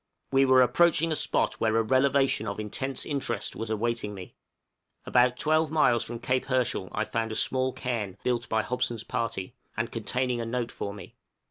We were approaching a spot where a revelation of intense interest was awaiting me. {INTEREST ATTACHING TO THE CAIRN.} About 12 miles from Cape Herschel I found a small cairn built by Hobson's party, and containing a note for me.